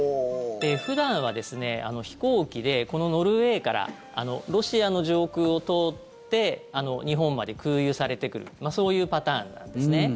普段は飛行機でこのノルウェーからロシアの上空を通って日本まで空輸されてくるそういうパターンなんですね。